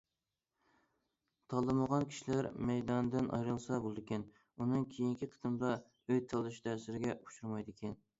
تاللىمىغان كىشىلەر مەيداندىن ئايرىلسا بولىدىكەن، ئۇنىڭ كېيىنكى قېتىمدا ئۆي تاللىشى تەسىرگە ئۇچرىمايدىكەن.